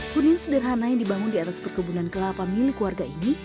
kuning sederhana yang dibangun di atas perkebunan kelapa milik warga ini